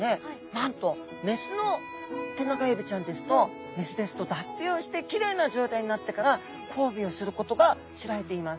なんと雌のテナガエビちゃんですと雌ですと脱皮をしてキレイな状態になってから交尾をすることが知られています！